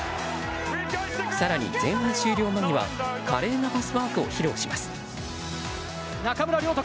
更に前半終了間際華麗なパスワークを披露します。